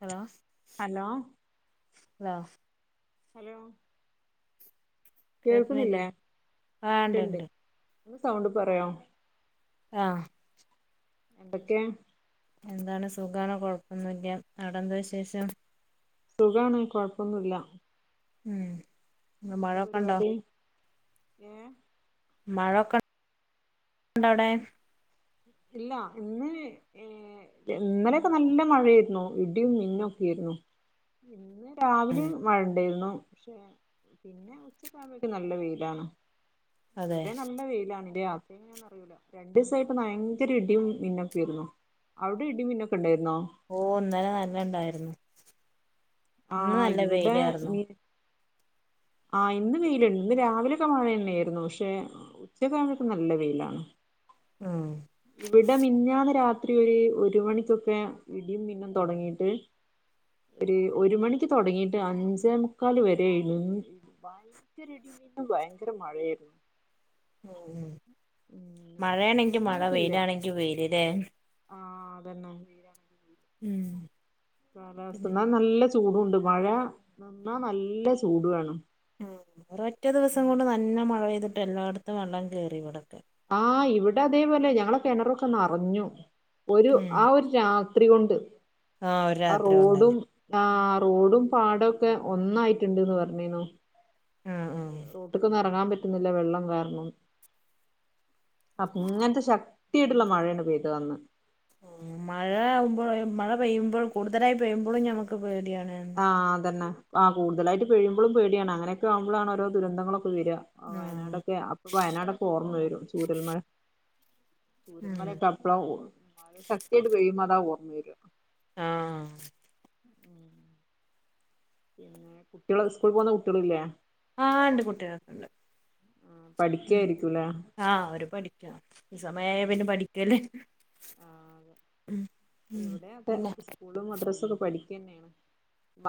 Hello. Hello. Law. Hello. കേൾക്കണില്ലേ കേൾക്കുന്നില്ലേ. ആ ആഹ് ഇണ്ട്ണ്ട്. ഉണ്ട്ണ്ട് ഒന്ന് സൗണ്ട് പറയോ. ആഹ്. എന്തൊക്കെ? എന്താണ് സുഖാണ്. കൊഴപ്പൊന്നുല്ല്യ. അവിടെന്താ വിശേഷം? സുഖാണ്, കൊഴപ്പൊന്നുല്ല. ഉം ഇന്ന് എന്താ മഴൊക്കെണ്ടോ? പരിപാടി ഏ മഴൊക്കെ ണ്ടവ്ടെ? ഇല്ല. ഇന്ന്, ഏഹ് ഇന്നലൊക്കെ നല്ല മഴേര്ന്നു. ഇടിം മിന്നും ഒക്കേര്ന്നു. ഇന്ന് രാവിലിം ഉം മഴണ്ടേന്നു. പക്ഷേ പിന്നെ ഉച്ചക്കെ ആവുമ്പേക്കും നല്ല വെയിലാണ്. അതെ ഇതുവരെ നല്ല വെയിലാണ്. രാത്രി എങ്ങനേ അറിയൂല്ല. രണ്ടീസായിട്ട് ഭയ ങ്കര ഇടിം മിന്നൊക്കേരുന്നു. അവ്ടെ ഇടിം മിന്നൊക്കെ ഇണ്ടായ്ര്ന്നോ? ഓഹ് ഇന്നലെ നല്ലം ഇണ്ടായ്രുന്നു. ആ ഇന്ന് നല്ല ഇവിടെ വെയിലാർന്നു. മി ആഹ് ഇന്ന് വെയില്ണ്ട്. ഇന്ന് രാവിലൊക്കെ മഴന്നേര്ന്നു. പക്ഷെ ഉച്ചക്കെ ആവുമ്പേക്കും നല്ല വെയിലാണ്. ആഹ്. ഇവടെ മിന്ഞ്ഞാന്ന് രാത്രി ഒര് ഒരു മണിക്കൊക്കെ ഇടിയും മിന്നും തൊടങ്ങിട്ട്. ഒരു ഒരു മണിക്ക് തൊടങ്ങിട്ട് അഞ്ചേ മുക്കാൽ വരെ ഏന്നു [unintelligible] ഭയ് ങ്കര ഇടിം മിന്നും ഭയങ്കര മഴേര്ന്നു. ഉം. ഉം മഴേണെങ്കി മഴ നിന്നിട്ടില്ല വെയിലാണെങ്കി വെയില് ലേ. ആഹ് അതന്നെ. ഉം. കാലാവസ്ഥ. പിന്നെ ഇന്നാ നല്ല ചൂടൂണ്ട്. മഴ നിന്നാ നല്ല ചൂടു ആണ്. ആഹ് ഒരൊറ്റ ദിവസം കൊണ്ട് നല്ല മഴ പെയ്തിട്ട് എല്ലായിടത്തും വെള്ളം കേറി ഇവടൊക്കെ. ആഹ് ഇവടെ അതേപോലെ ഞങ്ങളെ കെണറൊക്കെ നറഞ്ഞു. ഒരു ഉം ആ ഒരു രാത്രി കൊണ്ട് ഒരു ആ രാത്രി റോഡും. കൊണ്ടന്നെ ആഹ് റോഡും പാടൊക്കെ ഒന്നായിറ്റ്ണ്ട്ന്ന് പറഞ്ഞീന്നു. ഉം റോട്ട്ക്കൊന്നും എറങ്ങാൻ പറ്റുന്നില്ല വെള്ളം കാരണം. അങ്ങനത്തെ ശക്തിയായ്ട്ട്ള്ള മഴേണ് പെയ്തത് അന്ന്. ഉം. മഴ ആകുമ്പോ മഴ പെയ്യുമ്പൾ കൂടുതലായി പെയ്യുമ്പെളും ഞമ്മക്ക് പേടിയാണ്. ആഹ് അതന്നെ. ആഹ് കൂടുലായിട്ട് ചെയ്യുമ്പോളും പേടിയാണ്. അങ്ങനൊക്കെ ആവുമ്പളാണ് ഓരോ ദുരന്തങ്ങളൊക്കെ വെര. ആഹ് വയനാടൊക്കെ, അപ്പം വയനാടൊക്കെ ഓർമ്മ വരും. ചൂരൽ മല ഉം ചൂരന്മലക്കെ പ്പളാ ഓ, മഴ ശക്തിയായിട്ട് പെയ്യുമ്പം അതാ ഓർമ്മ വെരാ. ആഹ്. ഉം. പിന്നെ, കുട്ട്യേള് സ്കൂളിൽ പോകുന്ന കുട്ട്യേളില്ലേ? ആഹ് ഇണ്ട് കുട്ട്യേളൊക്കെണ്ട്. ആഹ് പഠിക്കായിരിക്കുലേ? ആഹ് അവര് പഠിക്കാ. ഈ സമയായാ പിന്നെ പഠിക്കല്ലേ ഉം. ഉം ഇവടേ അതെ. പിന്നെ സ്കൂളും മദ്രസൊക്കെ പഠിക്കന്നേണ്.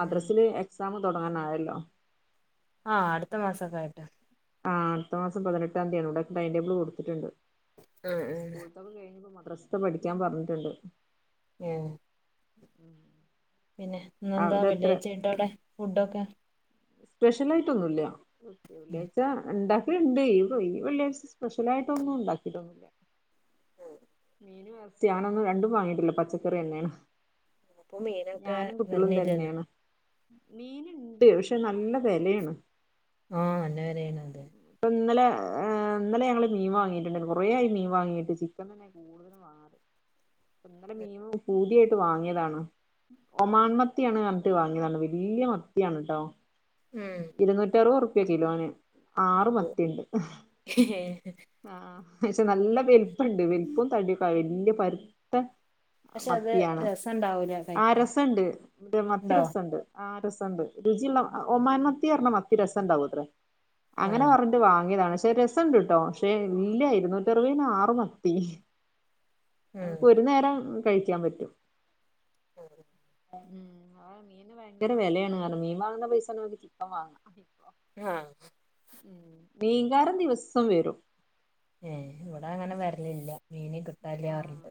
ഉം എ ക്സാമ് തൊടങ്ങാനായല്ലോ. ആഹ് അടുത്ത മാസൊക്കെ ആയിട്ട്. ആഹ് അടുത്ത മാസം പതിനെട്ടാം തിയതിയാണ്. ഇവിടെ ടൈം ടേബിൾ കൊടുത്തിട്ടുണ്ട്. ഉം ഉം സ്കൂൾ - [inaudible] മദ്രസത്തെ പഠിക്കാൻ പറഞ്ഞിട്ടുണ്ട് ഏഹ് പിന്നെ ഇന്നെന്താ അവിടെ എത്ര വെള്ളിയാഴ്ച ആയിട്ടടെ ഫുഡൊക്കെ സ്പെഷ്യൽ ആയിട്ടൊന്നുല്ല ഉം വെള്ളിയാഴ്ച ണ്ട ഉണ്ട് ഈ വെള്ള്യഴ്ച സ്പെഷ്യലായിട്ടൊന്നും ഉണ്ടാക്കിയിട്ടൊന്നുല്ല ഉം മീനും ഇറച്ചി ഞാനൊന്നും രണ്ടും വാങ്ങിട്ടില്ല പച്ചക്കറിന്നെണ് പ്പോ മീനൊക്കെ വര്ണില്ലല്ലോ മീന്ണ്ട് പക്ഷെ നല്ല വിലയാണ് ആഹ് നല്ല വെലയാണ് അതെ ഇപ്പ ഇന്നലെ ഇന്നല ഞങ്ങള് മീൻ വാങ്ങിട്ടുണ്ട കുറേ ആയി മീൻ വാങ്ങിട്ട് ചിക്കൻ തന്നെ കൂടുതലും വാങ്ങാറ് ഇന്നലെ മീൻ പൂത്യായിട്ട് വാങ്ങിയതാണ് ഒമാൻമത്തിയാണ് പർഞ്ഞിട്ട് വാങ്ങിയതണ് വല്ല്യ മത്തിയാണ് ട്ടോ ഉം ഇരുന്നൂറ്റി അറുപത് റുപ്യ കിലോന് ആറ് മത്തിണ്ട് ആഹ് പക്ഷെ നല്ല വലുപ്പണ്ട് വലുപ്പും തടിക്ക വല്യ പരുത്ത പക്ഷെ അത് മത്തിയാണ് രസണ്ടാവൂല ആഹ് കഴിക്കാൻ രസണ്ട് മത്തി ണ്ടോ രസണ്ട് ആ രസണ്ട് രുചിയുള്ള ഒമാൻമത്തി പറഞ്ഞ മത്തി രസംണ്ടാവൂത്രെ അങ്ങനെ ആഹ് പറഞ്ഞ വാങ്ങിയതാണ് പക്ഷെ രസംണ്ട്ട്ടോ പക്ഷെ ഇല്ല ഇരുന്നൂറ്റ അറുപന് ആറ് മത്തി ഒരു ഉം നേരം കഴിക്കാൻ പറ്റും ആഹ് മീന്ന് ഭയങ്കര വിലയാണ് കാരണം മീൻ വാങ്ങുന്ന പൈസന്ന മതി ചിക്കൻ വാങ്ങ ആഹ് ഉ മീൻങ്കാരൻ ദിവസം വരും ഏഹ് ഇവടെങ്ങനെ വരലില്ല മീന കിട്ടില്ലാർഞ്ഞിട്ട്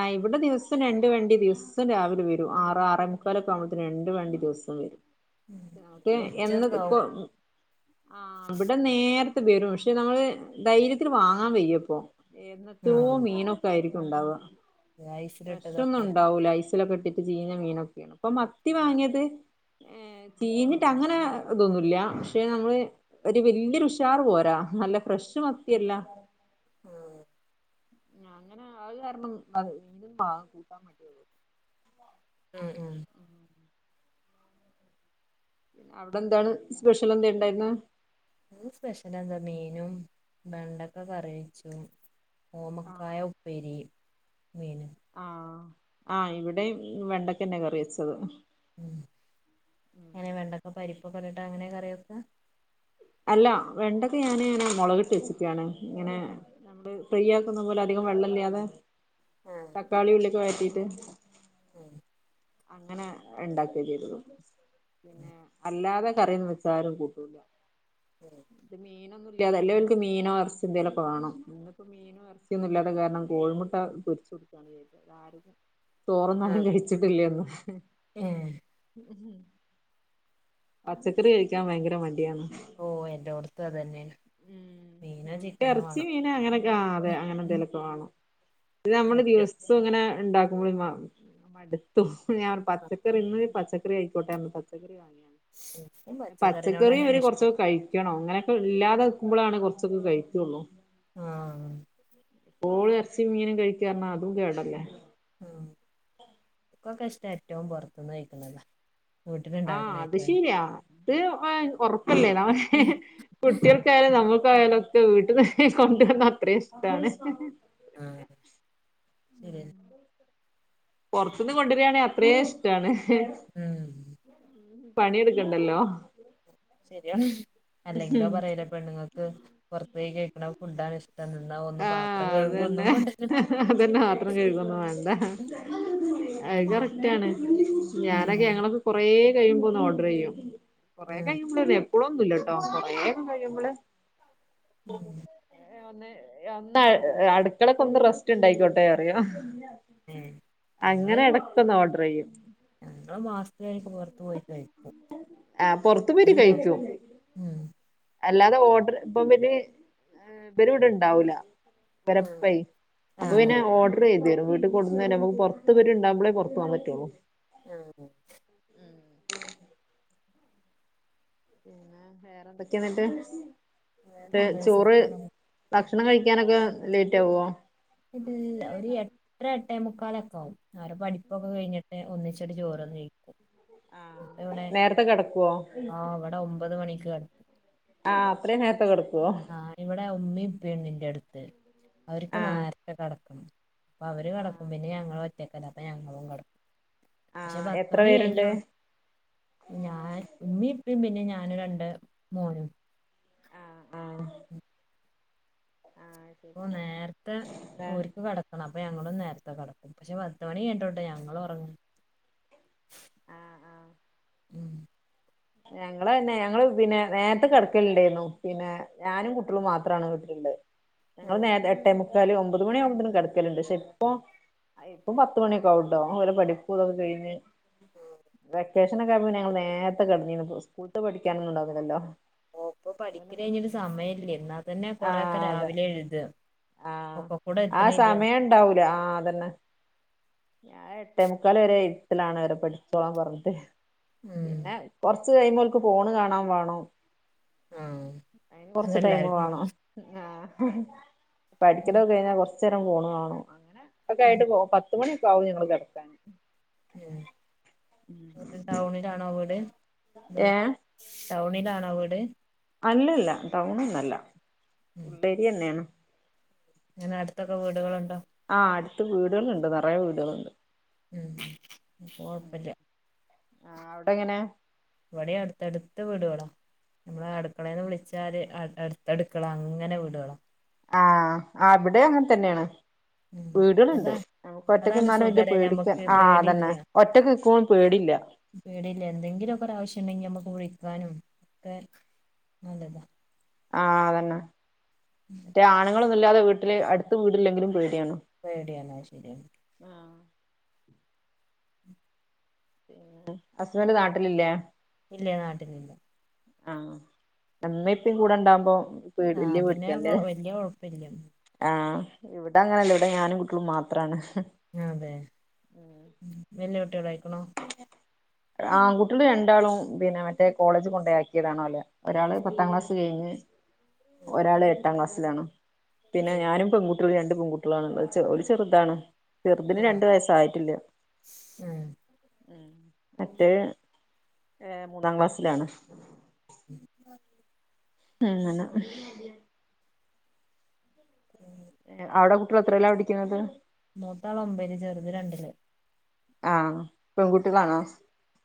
ആഹ് ഇവിടെ ദിവസം രണ്ട് വണ്ടി ദിവസം രാവിലെ വരും ആറ് ആറ മുക്കാലൊക്കെ ആവുമ്പോത്തിന് രണ്ട് വണ്ടി ദിവസം വരും ട്ടെ ഇവിടെ എന്നത് ഉച്ചൊക്കെ കൊ ആവും ആ വടെ നേരത്തെ വരും പക്ഷെ നമ്മള് ധൈര്യത്തില് വാങ്ങാൻ വയ്യപ്പൊ എന്നത്തോ ആഹ് മീനൊക്കെ ആയിരിക്കും ണ്ടാവ ഫ്രഷോന്നും ഐസിലിട്ടതൊക്കെ ണ്ടാവൂല ലൊക്കെ ഇട്ടിട്ട് ചീഞ്ഞ മീനൊക്കെയാണ് ഇപ്പൊ മത്തി വാങ്ങിയത് ഏ ചീഞ്ഞിട്ട് അങ്ങനെ ഇതൊന്നുല്ല പക്ഷെ നമ്മള് ഒരു വല്ല്യൊരു ഉഷാർ പോരാ നല്ല ഫ്രഷ് മത്തിയല്ല ഉം അങ്ങനെ ആ ഒരു കാരണം [unintelligible] ഉം ഉം അവടെ എന്താണ് സ്പെഷ്യൽ എന്താ ഉണ്ടായിരുന്ന ഇന്ന് സ്പെഷ്യൽ എന്താ മീനും വെണ്ടക്ക കറി വെച്ചു ഓമക്കായ ആഹ് ഉപ്പേരി മീന് ആഹ് ആഹ് ഇവിടേം വെണ്ടക്കന്നെ കറി വെച്ചത് ഉ എങ്ങനെ വെണ്ടക്കെ പരിപ്പൊക്കെട്ടിട്ടാ അങ്ങനെയ കറി വെക്ക അല്ല വെണ്ടക്കെ ഞാനങ്ങനെ മുളകട്ട് വെച്ചക്കണ് ഇങ്ങനെ നമ്മള് ഫ്രൈ ആക്കുന്ന പോലെ അധികം വെള്ളല്ലാതെ ആഹ് താക്കാളീം ഉള്ളിയൊക്കെ വയറ്റിറ്റ് ഉം അങ്ങനെ ണ്ടാക്ക ചെയ്തത് പിന്നെ അല്ലാതെ കറിയൊന്ന് വെച്ച് താരും കൂട്ടൂല്ല ഉം ഇത് മീനൊന്നും ഇല്ലാതെ അല്ലെ ഓൽക്ക് മീനോ എറച്ചി എന്തേലൊക്കെ വാണം മീനും എറച്ചിയൊന്നുല്ലാത്ത കാരണം കോഴിമുട്ട പൊരിച്ചു കൊടുക്കാന്ന് വിചാരിക്ക ആരതും തോറൊന്നും ആരും കയ്ച്ച്ട്ടില്ലേന്ന് ഏഹ് [unintelligible] പച്ചക്കറി കഴിക്കാൻ ഭയങ്കര മടിയാന്ന് ഓ എന്റോട്ത്തും അതെന്നെണ് മ്മ് ഓല്ക്ക് എറച്ചി മീന് അങ്ങനെയൊക്കെ ആഹ് അതെ അങ്ങനെന്തേലൊക്കെ വാണം ഇത് നമ്മള് പറ്റും ദിവസം ഇങ്ങനെ ണ്ടാക്കുമ്പളെ മ മടുത്തു ഞാൻ പറയു പച്ചക്കറിന്ന് പച്ച പച്ചക്കറി അയ്ക്കോട്ടെ പർഞ് പച്ചക്കറി വാങ്ങി എനിക്കും പച്ചക്കറിനോട് പച്ചക്കറിം തന്നെയാണ് ഇവര് ഇഷ്ടം കൊർച്ചൊക്കെ കഴി ക്കണം ഇങ്ങനൊക്കെ ഇല്ലാതെക്കുമ്പളാണ് കൊർച്ചൊക്കെ കഴിക്കൊള്ളു ആഹ് പ്പോളും എർച്ചിം മീനും കഴിക്കാ പർഞ്ഞ അതും കേടല്ലേ ഉം ക്കൊക്കെ ഇഷ്ടം ഏറ്റവും പൊർത്ത്ന്ന് കഴിക്ക്ണതാ ആഹ് അത് ശെരിയാ അത് എ ഒറപ്പല്ലേ [unintelligible] കുട്ട്യാൾ ക്യായാലും നമ്മക്കായാലൊക്കെ വീട്ട്ക്ക് കൊണ്ടുവന്ന അത്രേം ഇഷ്ടാണ് ആഹ് ശെരിയെ പൊർത്ത്ന്ന് കൊണ്ട്രാണെ അത്രേ ഇഷ്ട്ടാണ് ഉം പണിയെടുക്കണ്ടല്ലോ ശെരിയാണ് അല്ലെങ്കിലോ പറയല്ലൊ പെണ്ണുങ്ങക്ക് പൊർത്തോയി കഴിക്ക്ണ ഫുഡാണ് ഇഷ് ആഹ് അതെന്നെ അതെന്നെ പാത്രം കെഴ്കൊന്നും വാണ്ട അത് ഉം കറക്റ്റാണ് ഞാനൊക്കെ ഞങ്ങള് കൊറേ കഴിയുമ്പോ ഒന്ന് ഓഡറെയ്യും കൊറേ ഉം കഴിയുമ്പളൊള്ളു എപ് പ്ളൊന്നുല്ലട്ടോ കൊറെ ഒക്കെ കഴിയുമ്പള് ഉം ഒന്ന് ഒന്ന് അടുക്കളക്കൊന്ന് റെസ്റ്റ് ണ്ടായിക്കോട്ടെ പറിയും ഏ ഞങ്ങള് അങ്ങനെ എടക്കൊന്ന് ഓഡ്രെയ്യും ഞങ്ങള് മാസത്തിലൊരിക്കെ പൊർത്ത് പോയി കഴിക്കും ആഹ് പൊർത്ത് പോയിട്ട് എല്ലാം കഴിക്കും ഉം അല്ലാതെ ഓഡർ ഇപ്പവര് ഇവര് ഇവടെണ്ടാവൂല ഇവരെ പ്പെയ് അപ്പൊ പിന്നെ ആഹ് ഓഡ ഡ്രെയ്തെരും വീട്ടിൽ കൊട്ന്നെരും ഞമ്മക്ക് പൊർത്ത് ഇവര് ണ്ടാകുമ്പളെ പൊർത്തോവാൻ പറ്റൊള്ളു ആഹ് ഉം പിന്നെ വേറെന്തൊക്കെ ന്ന്ട്ട് വേറെന്താ ചോറ് സുഖാണ് ഭക്ഷണം കഴിക്കാനൊക്കെ ലെയ്റ്റാവോ ഇല്ലല്ല ഒരു എട്ട് ഒര് എട്ടേമുക്കാലൊക്കെ ആവും അവരെ പഠിപ്പൊക്കെ കഴിഞ്ഞിട്ട് ഒന്നിച്ച് ഒര് ചോറ്ന്നാ ഇരിക്കും ആഹ് ഇപ്പ ഇവിടെ നേരത്തെ കിടക്കുവോ ആഹ് ഇവടെ ഒമ്പത് മണിക്ക് കെടക്കും ആഹ് അത്രയും നേരത്ത കെടുക്കുവോ ആഹ് ഇവിടെ ഉമ്മയും ഉപ്പയുണ്ട് ഇന്റെ അടുത്ത് അവര്ക്ക് ആഹ് നേരത്തെ കെടക്കണം അപ്പൊ അവര് കടക്കും പിന്നെ ഞങ്ങള് ഒറ്റക്കല്ലേ അപ്പൊ ഞങ്ങളും കെടക്കും പക്ഷെ ആഹ് എത്ര പത്തുമണി പേരുണ്ട് കയിഞ്ഞു ഞാൻ ഉമ്മീ ഉപ്പേ പിന്നെ ഞാനും രണ്ട് മോനും. ആഹ് ആഹ് ആഹ് ശെ ഓഹ് നേരത്തെ ഓര്ക്ക് കെട ക്കണം അപ്പൊ ഞങ്ങളും നേരത്തെ കെടക്കും പക്ഷെ പത്ത്മണി കയ്ഞ്ഞിട്ടാട്ടോ ഞങ്ങള് ഒറങ്ങൂ ആഹ് ആഹ് ഉം ഞങ്ങള് തന്നെ ഞങ്ങള് പിന്നെ നേരെത്തെ കെടക്കലിണ്ടായിരുന്നു പിന്നെ ഞാനും കുട്ടികളും മാത്രാണ് വിട്ടില്ള്ളെ ഞങ്ങള് ആഹ് നേര് എട്ടേമു ക്കാല് ഒമ്പത് മണിയാവുമ്പോത്തിനും കെടക്കല്ണ്ട് പഷെ ഇപ്പൊ ആഹ് ഇപ്പൊ പത്ത്മണിയൊക്കെ ആവൂട്ടോ ഓലെ പഠിപ്പൂ ഇതൊക്കെ കഴിഞ്ഞ് വെക്കേഷനൊക്കെ ആയപ്പോ പിന്നെ ഞങ്ങള് നേരത്തെ കെടന്നീന് സ്കൂളത്ത് പഠിക്കാനൊന്നും ഇണ്ടാവൂല്ലല്ലോ ഓഹ് ഇപ്പൊ പഠിക്കല് കയിഞ്ഞിട്ട് സമയല്ലേ ഇന്നാ തന്നെ കൊറെയൊക്കെ അതെ രാവിലെയാ എഴ്താ ആഹ് ആഹ് സമയം ഇണ്ടാവൂലാ ആഹ് അതന്നെ. ഞാൻ എട്ടേ മുക്കാല് വെരെ ഇര്ത്തെലാണ് അവരെ പഠിച്ചോളാൻ പറഞ്ഞിട്ട് ഉം പിന്നെ കൊറച്ച് കയ്യുമ്പോ ഓൽക്ക് ഫോണ് കാണാൻ വേണം ആഹ് അയ്ന് കൊറച്ച് ടൈമ് അതെല്ലാർക്കും വേണം. ഉണ്ട് ആഹ് ഉം പഠിക്കലൊക്കെ കഴിഞ്ഞാ കൊറച്ചേരം ഫോണ് കാണും അങ്ങനെ ഒക്കെ ആയിട്ട് പോവും പത്ത് മണിയൊക്കെ ആകും ഞങ്ങള് കെടക്കാന് ഏഹ് ടൗണിലാണോ വീട്? അതോ? ഏഹ് ടൗണിലാണോ വീട്? അല്ലല്ലാ ടൗണിലല്ലാ ഉള്ളേരിയെന്നെയാണ്. എങ്ങനെ അടുത്തൊക്കെ വീടുകളുണ്ടോ? ആഹ് അട്ത്ത് വീട്കള്ണ്ട് നെറയെ വീടുകള്ണ്ട്. ഉം അപ്പം കൊഴപ്പെല്ല്യാ ആഹ് അവിടെങ്ങനെ ഇവടേം അടുത്തടുത്ത് വീട്കളാ നമ്മള് അടുക്കളേന്ന് വിളിച്ചാല് അ അടുത്തടുക്കള അങ്ങനെ വീടുകളാ ആഹ് ആഹ് ഇവടേം അങ്ങൻത്തെന്നെയാണ്. ഉം അതാ നമ്മക്ക് ഒറ്റക്ക് അതാണ് നിന്നാലും വെല്യ സുഖല്ലേ പേടിക്കാൻ ഞമ്മക്ക് ആഹ് അതന്നെ ഒറ്റക്ക് നിക്കുമ്പം പേടില്ലാ പേടില്ലാ എന്തെങ്കിലൊക്കെ ഒരാവശ്യണ്ടെങ്കി നമ്മക്ക് വിളിക്കാനും ഒക്കെ നല്ലതാ. ആഹ് അതന്നെ ഉം മറ്റേ ആണുങ്ങളൊന്നും ഇല്ലാതെ വീട്ടില് അടുത്ത് വീടില്ലെങ്കിലും പേടിയാണ്. പേടിയാണ് അത് ശെരിയാണ് ആഹ് പിന്നെ ഹസ്ബന്റ് നാട്ടിലില്ലേ? ഇല്ലാ നാട്ടിലില്ലാ. ആഹ് ഉമ്മി ഉപ്പീം കൂടെണ്ടാവുമ്പോ ആഹ് പിന്നെ കൊ വെല്യ കൊഴപ്പെല്ല്യാ ആഹ് ഇവിടങ്ങനല്ല ഇവിടെ ഞാനും കുട്ടികളും മാത്രാണ് അതെ വല്ല്യ കുട്ടികളായേക്കണ് ആൺ കുട്ടികള് രണ്ടാളും പിന്നെ മറ്റേ കോളേജിൽ കൊണ്ട് ആക്കിയതാണ് ഓലെ ഒരാള് പത്താം ക്ലാസ് കഴിഞ്ഞ് ഒരാള് എട്ടാം ക്ലാസ്സിലാണ്. പിന്നെ ആഹ് ഞാനും പെൺകു ട്ടി രണ്ട് പെൺകുട്ടികളാണ് ഉള്ളത് ചെർ ഒരു ചെറുതാണ് ചെറുതിന് രണ്ട് വയസ്സായിട്ടില്ല ഉം ഉം മറ്റേ ഏ മൂന്നാം ക്ലാസ്സിലാണ് ഉം അങ്ങനെ ഉം അവിടെ കുട്ടികള് എത്രയിലാ പഠിക്കുന്നത് മൂത്ത ആള് ഒമ്പതില് ചെറുത് രണ്ടില് ആഹ് പെൺകുട്ടികളാണോ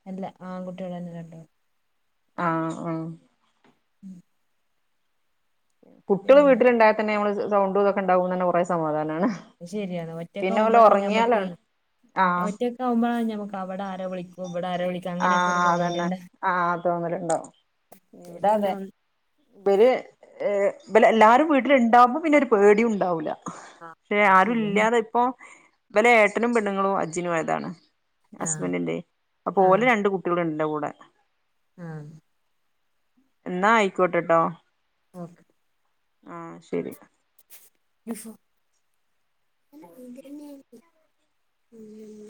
അല്ല ആൺകുട്ടികള് തന്നെ രണ്ടും ആഹ് ആഹ് ഉം കുട്ടികള് പിന്നെ വീട്ടിലുണ്ടായാൽ തന്നെ നമ്മള് സൗണ്ട് ഇതൊക്കെ ഉണ്ടാകുമ്പോ തന്നെ കുറേ സമാധാനണ് അത് ശരിയാണ് ഒറ്റക്ക് ആവുമ്പോഴാണ് ഞമ്മക്കെ ആഹ് ഒറ്റ ക്കാവുമ്പോളാണ് ഞമ്മക്ക് അവിടെ ആരോ വിളിക്കും ഇവിടെ ആരോ വിളി ആഹ് അത് തന്നെ ആ തോന്നലുണ്ടാവും മറ്റേത് ഇവിടെ പിന്നെ അതെ ഒന്ന് ഇബര് ഏ ഇബല് എല്ലാരും വീട്ടില് ഉണ്ടാവുമ്പം പിന്നെ ഒരു പേടി ഉണ്ടാവില്ല ആ പക്ഷെ ആ ആരും ശരിയാണ് ഇല്ലാതെ അപ്പോ ഇവലെ ഏട്ടനും പെണ്ണുങ്ങളും ഹജ്ജിന് പോയതാണ് ആ ഹസ്ബൻഡിന്റെയേ ആ ഓല് രണ്ട് കുട്ടികളുണ്ട് ഇവിടെ ആഹ് എന്നാ ആയിക്കോട്ടെ കേട്ടോ ഓക്കെ ആഹ് ശരി [unintelligible]